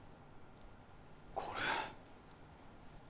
これ。